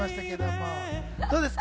どうですか？